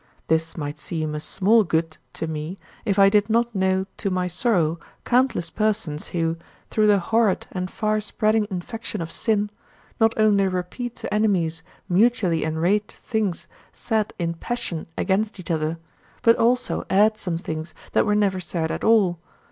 This might seem a small good to me if I did not know to my sorrow countless persons who, through the horrid and far spreading infection of sin, not only repeat to enemies mutually enraged things said in passion against each other, but also add some things that were never said at all.